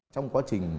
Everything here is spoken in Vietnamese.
trong quá trình